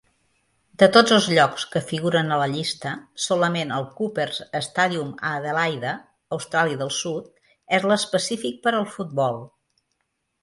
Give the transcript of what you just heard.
De tots els llocs que figuren a la llista, solament el Coopers Stadium a Adelaide, Austràlia del Sud, és l'específic per al futbol.